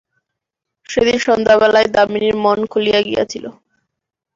সেদিন সন্ধ্যাবেলায় দামিনীর মন খুলিয়া গিয়াছিল।